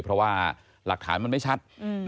เพราะว่าหลักฐานมันไม่ชัด